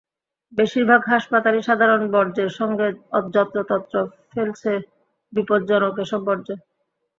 বেশির ভাগ হাসপাতালই সাধারণ বর্জ্যের সঙ্গে যত্রতত্র ফেলছে বিপজ্জনক এসব বর্জ্য।